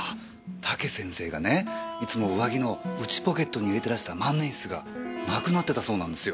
武先生がねいつも上着の内ポケットに入れてらした万年筆がなくなってたそうなんですよ。